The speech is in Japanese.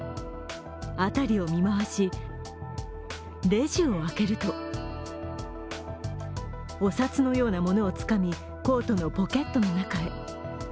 辺りを見回し、レジを開けるとお札のようなものをつかみ、コートのポケットの中へ。